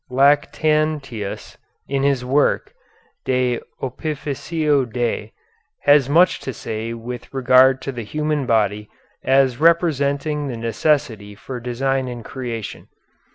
Lactantius, in his work, "De Opificio Dei," has much to say with regard to the human body as representing the necessity for design in creation.